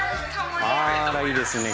あらいいですね